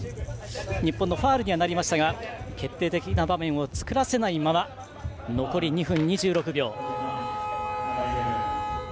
日本のファウルになりましたが決定的な場面を作らせないまま、残り２分。